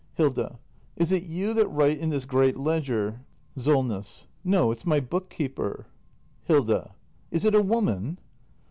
Hilda. Is it you that write in this great ledger ? SOLNESS. No, it's my book keeper. Hilda. Is it a woman